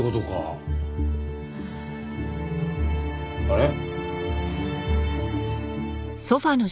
あれ？